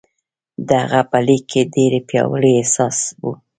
د هغه په لیک کې ډېر پیاوړی احساس و